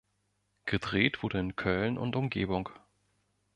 Gedreht wurde in Köln und Umgebung.